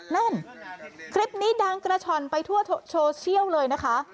นั่นคลิปนี้ดังกระช่อนไปทั่วโซเชียลเลยนะคะ